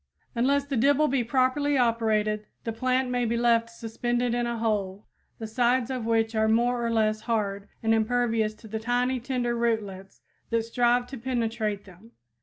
Unless the dibble be properly operated the plant may be left suspended in a hole, the sides of which are more or less hard and impervious to the tiny, tender rootlets that strive to penetrate them.